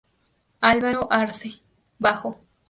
Álvaro Arce: Bajo.